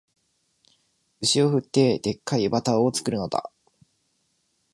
牛を振って、デッカいバターを作るのだ